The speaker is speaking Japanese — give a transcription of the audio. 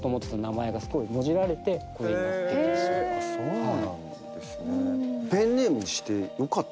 あっそうなんですね。